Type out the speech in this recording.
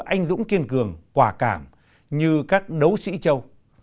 anh dũng kiên cường quả cảm như các đấu sĩ châu